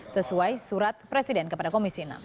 sesuai surat presiden kepada komisi enam